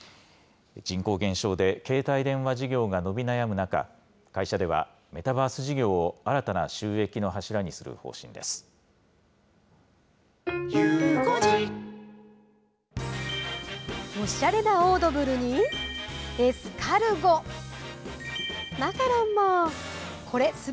人口減少で携帯電話事業が伸び悩む中、会社では、メタバース事業を新たな収益の柱にする方針です。